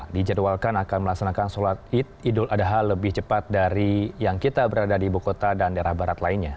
dijadwalkan akan melaksanakan sholat id idul adha lebih cepat dari yang kita berada di ibu kota dan daerah barat lainnya